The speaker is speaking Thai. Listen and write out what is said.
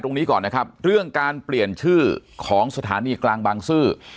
ตรงนี้ก่อนนะครับเรื่องการเปลี่ยนชื่อของสถานีกลางบางซื่อ